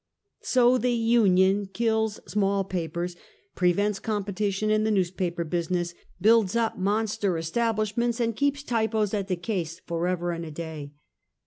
So the Union kills small papers, prevents competition in the newsjDaper business, builds up monster establishments, and keeps typos at the case forever and a day.